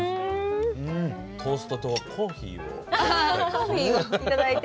トーストとコーヒーを頂いて。